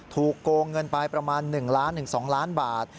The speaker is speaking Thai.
ถูกโกงเงินปลายประมาณ๑๒ล้านบาท